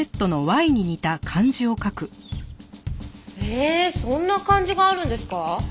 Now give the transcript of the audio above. えーそんな漢字があるんですか？